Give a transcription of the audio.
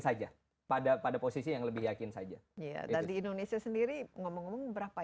saja pada pada posisi yang lebih yakin saja ya dan di indonesia sendiri ngomong ngomong berapa